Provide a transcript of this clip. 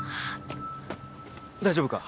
大丈夫か？